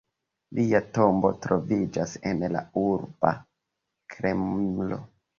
Lia tombo troviĝas en la urba Kremlo.